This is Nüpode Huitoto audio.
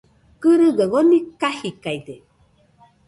Kɨrɨgaɨ oni kajidaide